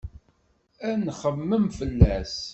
Ad nxemmem fell-as.